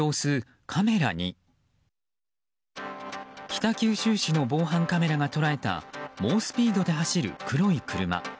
北九州市の防犯カメラが捉えた猛スピードで走る黒い車。